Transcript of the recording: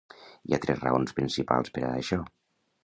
Hi ha tres raons principals per a això.